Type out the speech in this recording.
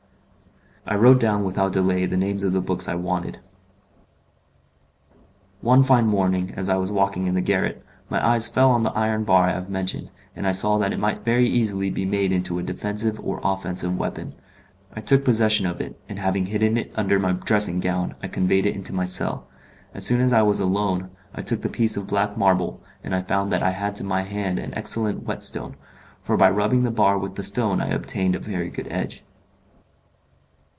I wrote down without delay the names of the books I wanted. One fine morning, as I was walking in the garret, my eyes fell on the iron bar I have mentioned, and I saw that it might very easily be made into a defensive or offensive weapon. I took possession of it, and having hidden it under my dressing gown I conveyed it into my cell. As soon as I was alone, I took the piece of black marble, and I found that I had to my hand an excellent whetstone; for by rubbing the bar with the stone I obtained a very good edge.